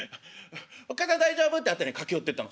『おっ母さん大丈夫？』って駆け寄ってったの。